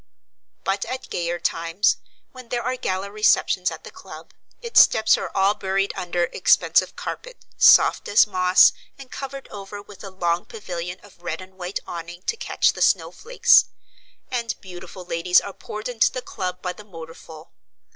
But at gayer times, when there are gala receptions at the club, its steps are all buried under expensive carpet, soft as moss and covered over with a long pavilion of red and white awning to catch the snowflakes; and beautiful ladies are poured into the club by the motorful.